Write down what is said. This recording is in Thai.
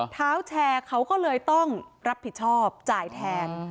เท้าแชร์เขาก็เลยต้องรับผิดชอบจ่ายแทน